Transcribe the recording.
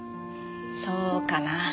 そうかなあ？